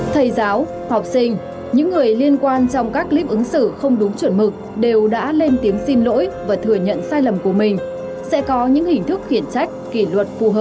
thầy giáo học sinh những người liên quan trong các clip ứng xử không đúng chuẩn mực đều đã lên tiếng xin lỗi và thừa nhận sai lầm của mình